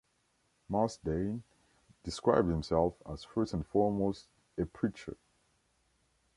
Marsden described himself as first and foremost a preacher.